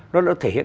nó đã thể hiện